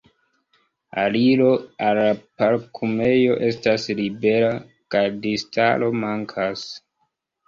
Aliro al la parkumejo estas libera, gardistaro mankas.